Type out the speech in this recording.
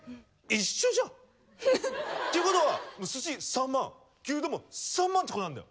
一緒じゃん。っていうことはすし３万牛丼も３万ってことなんだよ。